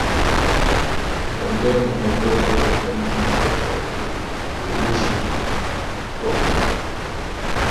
Cambiaron el nombre de la compañía a Berkley Publishing Co.